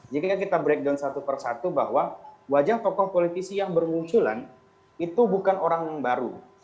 jika kita breakdown satu persatu bahwa wajah tokoh politisi yang bermunculan itu bukan orang yang baru